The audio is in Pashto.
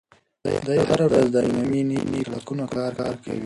دی هره ورځ د عینومېنې په سړکونو کار کوي.